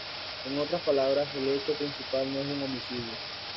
En otras palabras, el hecho principal no es el homicidio.